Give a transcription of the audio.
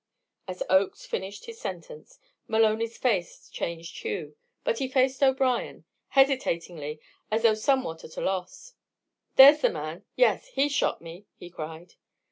As Oakes finished his sentence, Maloney's face changed hue, but he faced O'Brien, hesitatingly, as though somewhat at a loss. "There's the man! Yes, he shot me," he cried.